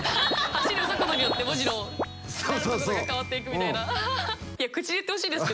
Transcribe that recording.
走る速度によって文字のなる速度が変わっていくみたいな。